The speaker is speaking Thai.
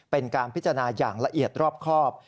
เป็นการพิจารณาอย่างละเอียดรอบครอบ